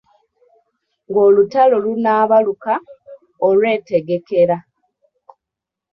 "Ng’olutalo lunaabaluka, olwetegekera."